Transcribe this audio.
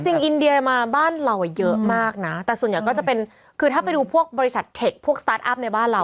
จริงอินเดียมาบ้านเราเยอะมากน่ะแต่ถ้าไปดูบริษัทเทคพวกสตาร์ทอัพในบ้านเรา